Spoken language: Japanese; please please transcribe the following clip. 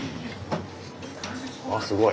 あすごい。